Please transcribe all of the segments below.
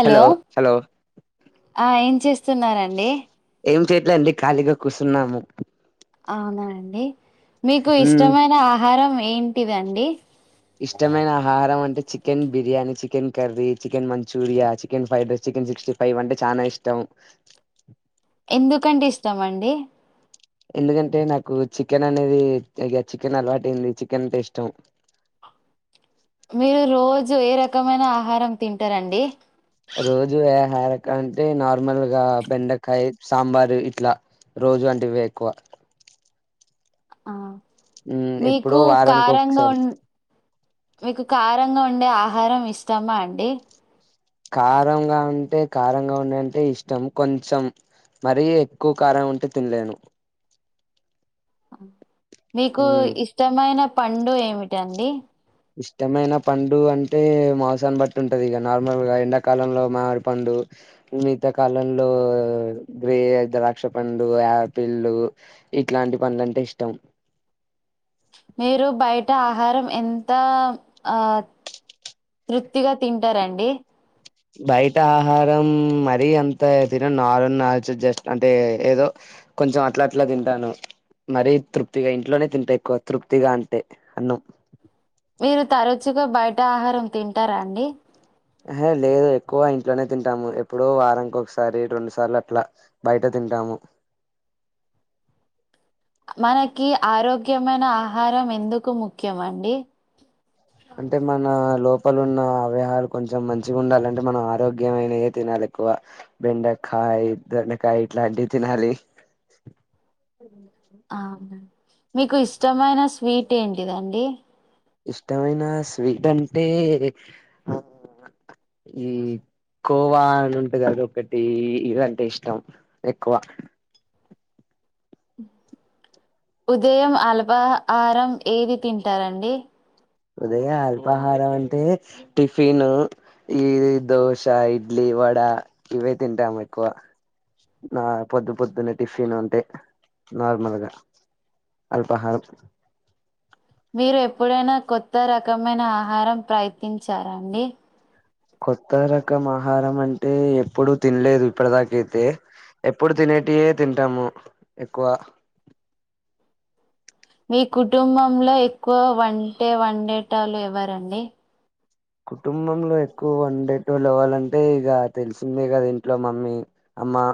Hello ఏం చేస్తున్నరండి ఏం చేయట్లేండి ఖాళీగా కూర్చున్నాము అవునా అండి మీకు మ్మ్ ఇష్టమైన ఆహారం ఏంటిదండి ఇష్టమైన ఆహారం అంటే chicken biryani chicken curry chicken Manchuria chicken fried rice chicken sixty five అంటే చానా ఇష్టం ఎందుకంటే ఇష్టమండి ఎందుకంటే నాకు చికెన్ అనేది చికెన్ అలవాటయింది చికెన్ అంటే ఇష్టం మీరు రోజు ఏ రకమైన ఆహారం తింటారండి రోజు ఏ ఆహరక అంటే నార్మల్ గా బెండకాయ సాంబారు ఇట్లా రోజు అంటే ఇవే ఎక్కువ ఆ మ్మ్ మీకు ఎప్పుడో వారానికి కారంగా ఒకసారి ఉన్ మీకు కారంగా ఉండే ఆహారం ఇష్టమా అండి కారంగా అంటే కారంగా ఉండంటే ఇష్టం కొంచెం మరీ ఎక్కువ కారం ఉంటే తినలేను మీకు మ్మ్ ఇష్టమైన పండు ఏమిటండి ఇష్టమైన పండు అంటే మసాన్ని బట్టి ఉంటది ఇక నార్మల్ గా ఎండాకాలంలో మామిడి పండు మిగతా కాలంలో గ్రే ద్రాక్ష పండు ఆపిల్లు ఇట్లాంటి పండ్లులంటే ఇష్టం మీరు బయట ఆహారం ఎంత ఆ తృప్తిగా తింటారండి బయట ఆహారం మరీ అంత తిన నార్ల్ నాలుచు జస్ట్ అంటే ఏదో కొంచెం అట్ల అట్ల తింటాను మరీ తృప్తిగా ఇంట్లోనే తింటా ఎక్కువ తృప్తిగా అంటే అన్నం మీరు తరచుగా బయట ఆహారం తింటారా అండి అహ లేదు ఎక్కువ ఇంట్లోనే తింటాము ఎప్పుడో వారంకి ఒకసారి రెండు సార్లు అట్లా బయట తింటాము మనకి ఆరోగ్యమైన ఆహారం ఎందుకు ముఖ్యమండి అంటే మన లోపల ఉన్న అవ్యహాలు కొంచెం మంచిగా ఉండాలంటే మనం ఆరోగ్యమైనవే తినాలి ఎక్కువ బెండకాయ్ దొండకాయ్ ఇట్లాంటివి తినాలి ఆ అవునా మీకు ఇష్టమైన స్వీట్ ఏంటిదండి ఇష్టమైన స్వీట్ అంటే ఆ ఈ కోవా అని ఉంటుది అది ఒకటి ఇదంటే ఇష్టం ఎక్కువ ఉదయం అల్పాహారం ఏది తింటారండి ఉదయ అల్పాహారం అంటే టిఫిన్ ఈ దోశ ఇడ్లీ వడ ఇవే తింటాము ఎక్కువ ఆ పొద్దు పొద్దున్నే టిఫిన్ అంతే నార్మల్గా అల్పాహారం మీరు ఎప్పుడైనా కొత్త రకమైన ఆహారం ప్రయత్నించారా అండి కొత్త రకం ఆహారం అంటే ఎప్పుడు తినలేదు ఇప్పటి దాక అయితే ఎప్పుడు తినేటివే తింటాము ఎక్కువ మీ కుటుంబంలో ఎక్కువ వంటే వండేటళ్ళు ఎవ్వరండి కుటుంబంలో ఎక్కువ వండే టోళ్ళు ఎవరంటే ఇగ తెలిసిందే కదా ఇంట్లో మమ్మీ అమ్మా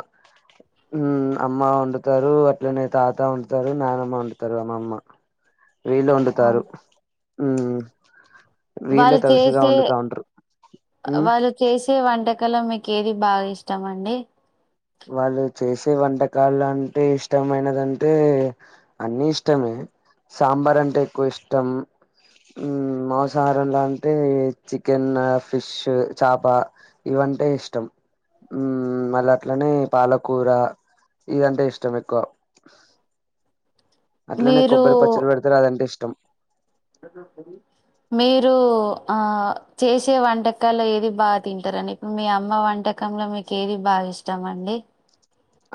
ఊ అమ్మ వండుతారు అట్లనే తాత వండుతారు నానమ్మ వండుతారు అమ్మమ్మ వీళ్ళు వండుతారు అవును. మ్మ్ వీళ్ళే వాళ్ళు తలుసుగా చేసే వండుతా ఉంటారు ఉ వాళ్ళు చేసే వంటకలొ మీకు ఏది బాగా ఇష్టం అండి వాళ్ళు చేసే వంటకాలు అంటే ఇష్టమైనదంటే అన్ని ఇష్టమే సాంబార్ అంటే ఎక్కువ ఇష్టం మ్మ్ మాంసాహారం లొ అంటే చికెన్ ఫిష్ చాప ఇవంటే ఇష్టం మ్మ్ మళ అట్లనే పాలకూర ఇదంటే ఇష్టం ఎక్కువ అట్లనే మీరు కొబ్బరి పచ్చడి పెడతారు అదంటే ఇష్టం [unintelligible] మీరు ఆ చేసే వంటకాలు ఏది బాగా తింటారని మీ అమ్మ వంటకంలో మీకు ఏది బాగా ఇష్టం అండి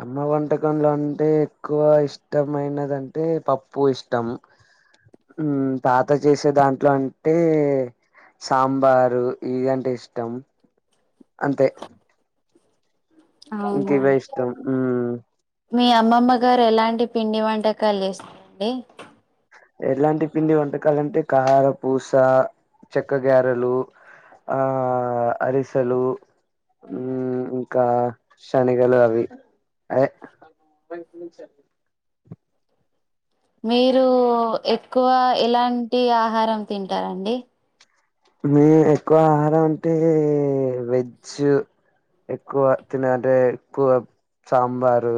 అమ్మ వంటకంలో అంటే ఎక్కువ ఇష్టమైనదింటే పప్పు ఇష్టం మ్మ్ తాత చేసే దాంట్లో అంటే సాంబారు ఇదంటే ఇష్టం అంతే ఇంక అవునా ఇవే ఇష్టం మీ అమ్మమ్మ గారు ఎలాంటి పిండి వంటకాలు చేస్తరండి ఎలాంటి పిండి వంటకాలంటే కార పూస చెక్క గారలు ఆ ఆ అరిసెలు హ్మ్ ఇంకా శనగలు అవి మీరు ఎక్కువ ఎలాంటి ఆహారం తింటారండి మీ ఎక్కువ ఆహారం అంటే వెజ్ ఎక్కువ తినేదే ఎక్కువ సాంబారు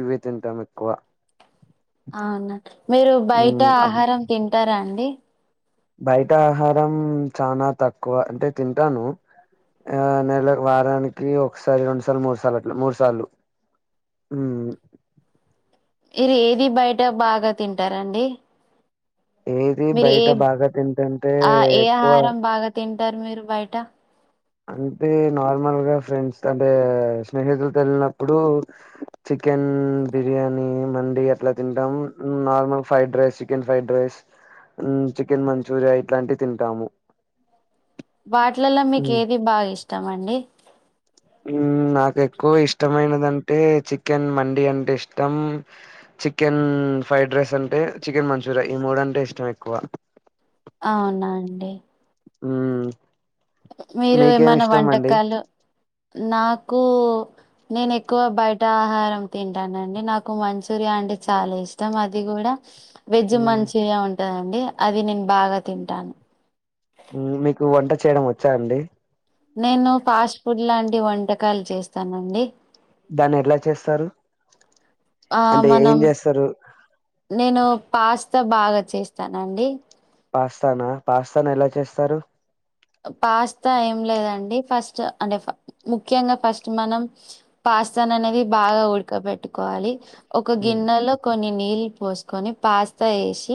ఇవే తింటాం ఎక్కువ అవునా మీరు బయట మ్మ్ అవ్ ఆహారం తింటారా అండి బయట ఆహారం చానా తక్కువ అంటే తింటాను ఆ నెల వారానికి ఒకసారి రెండుసార్లు మూడు సార్లు అట్లా మూడు సార్లు హ్మ్ మీరు ఏది బయట బాగా తింటారండి ఏది మీరు ఏ బయట బాగా తింటుంటే ఆ ఏ ఎక్కువ ఆహారం బాగా తింటారు మీరు బయట అంటే నార్మల్ గా ఫ్రెండ్స్ అంటే స్నేహితులతో వెళ్లినప్పుడు చికెన్ బిర్యానీ మండీ అట్లా తింటాము normal fried rice chicken fried rice chicken Manchuria ఇట్లాంటివి తింటాము వాటిలలో మీకు ఉమ్. ఏది బాగా ఇష్టం అండి హ్మ్ నాకు ఎక్కువ ఇష్టమైనదంటే చికెన్ మండి అంటే ఇష్టం చికెన్ ఫ్రైడ్ రైస్ అంటే చికెన్ మంచూరియా ఈ మూడు అంటే ఇష్టం ఎక్కువ అవునా అండి హ్మ్ మీరు ఏమైనా వంటకాలు నాకు నేను ఎక్కువ బయట ఆహారం తింటానండి నాకు మంచూరియా అంటే చాలా ఇష్ ష్టం అది కూడా వెజ్ మ్మ్, మంచూరియా ఉంటందండి అది నేను బాగా తింటాను మీకు వంట చేయడం వచ్చా అండి నేను ఫాస్ట్ ఫుడ్ లాంటి వంటకాలు చేస్తానండి దాన్ని ఎట్లా చేస్తారు ఆ అంటే ఏం మనం చేస్తారు నేను పాస్తా బాగా చేస్తానండి పాస్తానా పాస్తాను ఎలా చేస్తారు పాస్తా ఏం లేదండి ఫస్ట్ అంటే ముఖ్యంగా ఫస్ట్ మనం పాస్తాన్ అనేది బాగా ఉడకబెట్టుకోవాలి ఒక మ్, గిన్నెలో కొన్ని నీళ్ళు పోసుకొని పాస్తా వేసి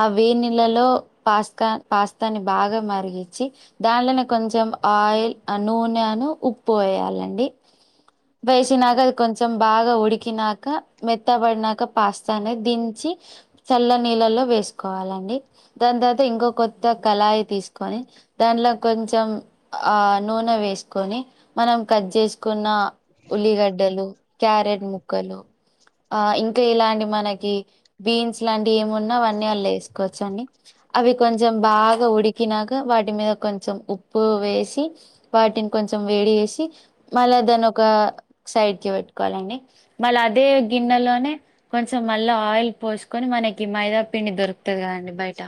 ఆ వేడి నీళ్లలో పాస్త పాస్తాని బాగా మరిగ గించి దాంలోనే కొంచెం ఆయిల్ నూనెను ఉప్పు వేయాలండి వేసినాక అది కొంచెం బాగా ఉడికినాక మెత్తబడినాక పాస్తా అనేది దించి చల్ల నీళ్ళల్లో వేసుకోవాలండి దాని తర్వాత ఇంకో కొత్త కళాయి తీసుకొని దాంట్లో కొంచెం ఆ నూనె వేసుకొని మనం కట్ చేసుకున్న ఉల్లిగడ్డలు క్యారెట్ ముక్కలు ఆ ఇంకా ఇలాంటి మనకి బీన్స్ లాంటివి ఏమున్నా అవన్నీ అళు వేసుకోవచ్చు అండి అవి కొంచెం బాగా ఉడుకినాక వాటి వాటి మీద కొంచెం ఉప్పు వేసి వాటిని కొంచెం వేడి వేసి మళ్ళా దాన్నోక సైడ్ కి పెట్టుకోవాలండి మళ్ళీ అదే గిన్నెలోనే కొంచెం మళ్ళ ఆయిల్ పోసుకొని మనకి మైదా పిండి దొరుకుతది గా అండి బయట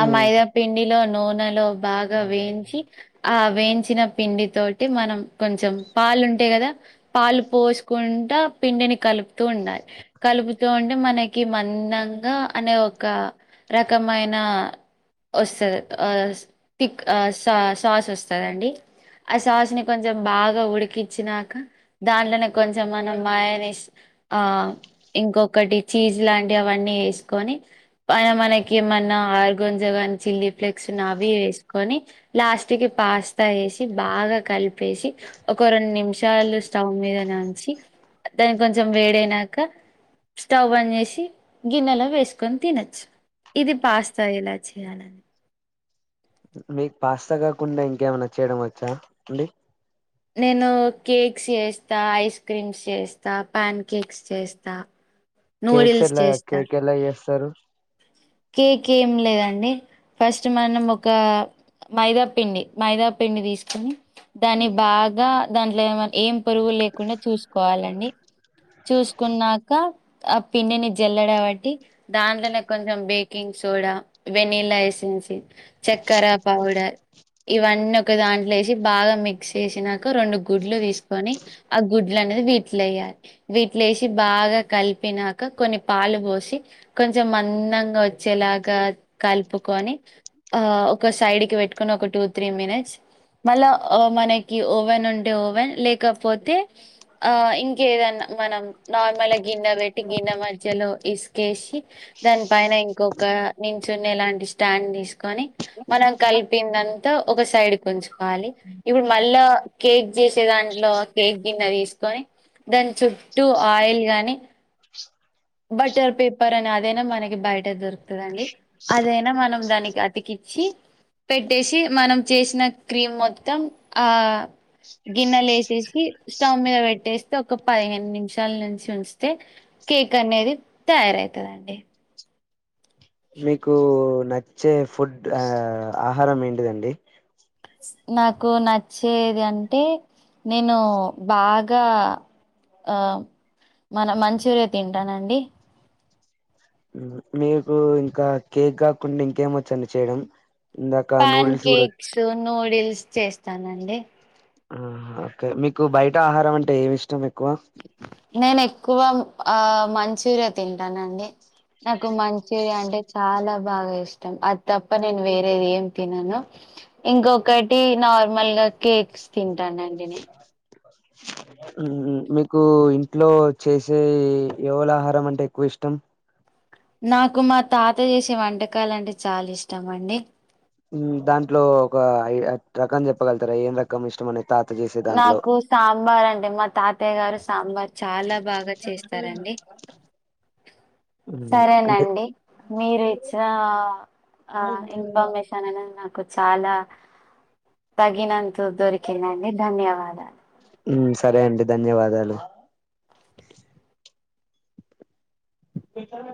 ఆ మ్, మైదాపిండిలో నూనెలో బాగా వేయించి ఆ వేయించిన పిండి తోటి మనం కొంచెం పాలు ఉంటయీకదా పాలు పోసుకుంటా పిండిని కలుపుతూ ఉండాలి కలుపుతూ ఉంటే మనకి మందంగా అనే ఒక రకమైన వస్తది పిక్ సా సాస్ ఇస్తారండి ఆ సాస్ ని కొంచెం బాగా ఉడికించినాక దాంట్లోనే కొంచెం మనం మాయని ఏసి ఆ ఇంకొకటి చీజ్ లాంటివి అవన్నీ వేసుకొని పైన మనకి ఏమన్నా ఆర్గోంజ కానీ చిల్లీ ఫ్లేక్స్ నా అవి వేసుకొని లాస్ట్ కి పాస్తా వేసి బాగా కలిపేసి ఒక రెండు నిమిషాలు స్టవ్ మీదనే ఉంచి దాని కొంచెం వేడైనాక స్టవ్ బంద్ చేసి గిన్నెలో వేసుకొని తినచ్చు ఇది పాస్తా ఎలా చేయాలి మీకు పాస్తా కాకుండా ఇంకేమైనాచ్చేయడం వచ్చా అండి నేను కేక్స్ చేస్తా ఐస్ క్రీమ్స్ చేస్తా పాన్ కేక్స్ చేస్తా కేక్స్ నూడిల్స్ ఎలా చేస్తా కేక్ ఎలా చేస్తారు కేక్ ఏం లేదండి ఫస్ట్ మనం ఒక మైదా పిండి మైదా పిండి తీసుకుని దాన్ని బాగా దాంట్లో ఏమ ఏం పరుగు లేకుండా చూసుకోవాలండి చూసుకున్నాక ఆ పిండిని జల్లడాబట్టి దాంట్లోనే కొంచెం బేకింగ్ సోడా వెనీలా ఎసెన్ంచి చక్కర పౌడర్ ఇవన్నీ ఒక దాంట్లో వేసి బాగా మిక్స్ చేసినాక రెండు గుడ్లు తీసుకొని ఆ గుడ్లు అనేది వీటిలో వేయ్యాలి వీట్లే వేసి బాగా కలిపినాక కొన్ని పాలు పోసి కొంచెం మందంగా వచ్చేలాగా కలుపుకొని ఆ ఒక సైడ్ కి పెట్టుకుని ఒక టూ త్రీ మినిట్స్ మళ్ళా మనకి ఓవెన్ ఉంటే ఓవెన్ లేకపోతే ఆ ఇంకేదన్నా మనం నార్మల్ గిన్నె పెట్టి గిన్నె మధ్యలో ఇసుకేసి దాని పైన ఇంకొక నించున్న ఎలాంటి స్టాండ్ తీసుకొని మనం కలిపిందంతా ఒక సైడ్ ఉంచుకోవాలి కలపాలి ఇప్పుడు మళ్ళా కేక్ చేసే దాంట్లో కేక్ గిన్నె తీసుకొని దాని చుట్టూ ఆయిల్ గాని బట్టర్ పేపర్ అని అదైనా మనకి బయట దొరుకుతుందండి అదైనా మనం దానికి అతికిచ్చి పెట్టేసి మనం చేసిన క్రీమ్ మొత్తం ఆ గిన్నెలు వేసేసి స్టవ్ మీద పెట్టేస్తే ఒక పదిహేను నిమిషాల నుంచి ఉంచితే కేక్ అనేది తయారవుతుందండి మీకు నచ్చే ఫుడ్ ఆహారం ఏంటిదండి నాకు నచ్చేది అంటే నేను బాగా ఆ మన మంచూరియా తింటానండి మీకు ఇంకా కేక్ కాకుండా ఇంకేం వచ్చండి చేయడం ఇందాక పాన్ నూడిల్స్ కూడా వచ్చు. కేక్స్ నూడిల్స్ చేస్తానండి ఆ ఓకే మీకు బయట ఆహారం అంటే ఏమి ఇష్టం ఎక్కువ నేను ఎక్కువ ఆ మంచూరియా తింటానండి నాకు మంచూరియా అంటే చాలా బాగా ఇష్టం అది తప్ప నేను వేరేది ఏం తినను ఇంకొకటి నార్మల్ గా కేక్స్ తింటానండి నేను చ్ మీకు ఇంట్లో చేసే యవలహారం అంటే ఎక్కువ ఇష్టం నాకు మా తాత చేసే వంటకాలు అంటే చాలా ఇష్టం అండి దాంట్లో ఒక రకం చెప్పగలుగుతారా ఏం రకం ఇష్టం అని తాత జెసెవి నాకు సాంబార్ అంటే మా తాతయ్య గారు సాంబార్ చాలా బాగా చేస్తారండి ఉమ్, అంటే సరేనండి మీరు ఇచ్చినా ఆ ఇన్ఫర్మేషన్ నాకు చాలా తగినంత దొరికిందండి ధన్యవాదాలు ఉమ్ సరే అండి ధన్యవాదాలు ఎక్కడ దాక